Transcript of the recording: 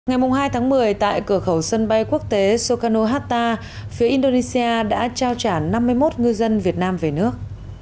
ngày hai tháng một mươi tại cửa khẩu sân bay quốc tế sokhano hatta phía indonesia đã trao trả năm mươi một ngư dân việt nam về nước